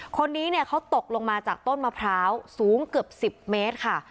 คนนี้เนี่ยเขาตกลงมาจากต้นมะพร้าวสูงเกือบ๑๐เมตรค่ะ